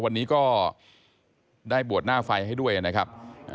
วันนี้ก็ได้บวชหน้าไฟให้ด้วยนะครับ